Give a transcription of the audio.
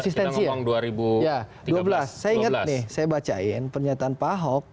ya dua belas saya inget nih saya bacain pernyataan pak ahok